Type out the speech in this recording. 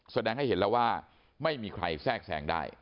แสดงให้เห็นแล้วว่าไม่มีใครแทรกแสงได้